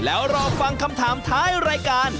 แล้วรอฟังคำถามท้ายรายการ